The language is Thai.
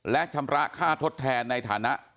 และชำระค่าทดแทนในฐานะ